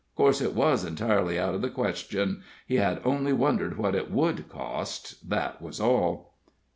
Of course, it was entirely out of the question he had only wondered what it would cost that was all.